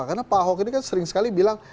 karena pak ahok ini kan sering sekali bilang